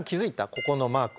ここのマーク。